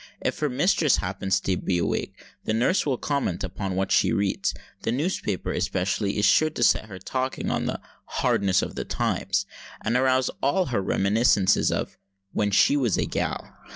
If her mistress happen to be awake, the nurse will comment upon what she reads. The newspaper, especially, is sure to set her talking on the "hardness of the times," and arouse all her reminiscences of "when she was a gal."